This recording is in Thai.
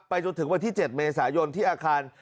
จนถึงวันที่๗เมษายนที่อาคาร